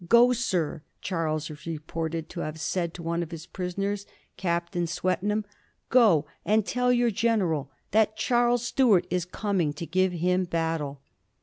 "Go, sir," Charles is reported to have said to one of his prisoners. Captain Swetenham, "go and tell your general that Charles Stuart is coming to give him battle."